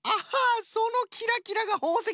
そのキラキラがほうせきか。